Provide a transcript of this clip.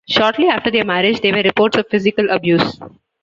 Shortly after their marriage, there were reports of physical abuse.